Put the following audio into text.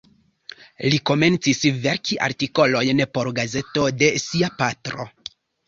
Li komencis verki artikolojn por gazeto de sia patro.